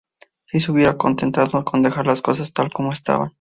sí se hubiera contentado con dejar las cosas tal como estaban